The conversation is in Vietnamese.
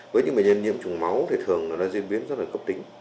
với những bệnh nhân nhiễm trùng máu thì thường nó diễn biến rất là cấp tính